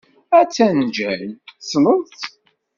Attan Jane. Tessneḍ-tt?